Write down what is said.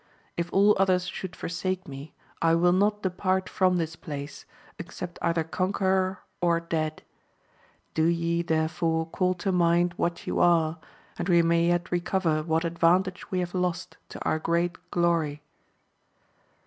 If all others should forsake me, I will not depart from this place, except either conqueror, or dead ; do ye, therefore, call to mind what you are, and we may yet recover what advantage we have lost, to our great glory.